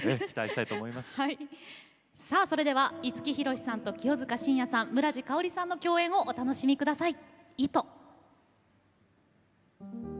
それでは五木ひろしさんと清塚信也さん村治佳織さんの共演をお楽しみください。